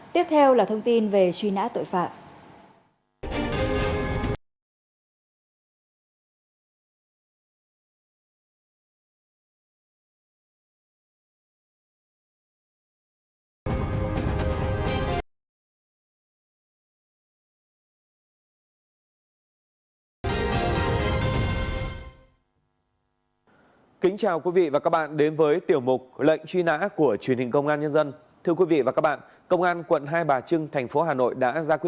tiếp theo là thông tin về truy nã tội phạm